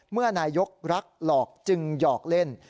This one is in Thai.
เมื่อนายกรักหลอกจึงหยอกเล่น